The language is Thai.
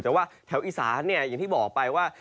แต่ว่าแถวอีสานอย่างที่บอกไปว่า